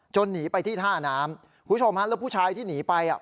หนีไปที่ท่าน้ำคุณผู้ชมฮะแล้วผู้ชายที่หนีไปอ่ะ